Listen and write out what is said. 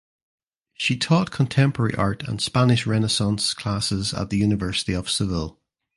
She taught Contemporary Art and Spanish Renaissance classes at the University of Seville.